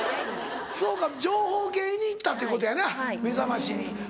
そうか情報系に行ったっていうことやな『めざまし』に。